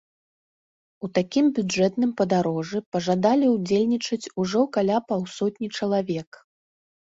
У такім бюджэтным падарожжы пажадалі ўдзельнічаць ужо каля паўсотні чалавек.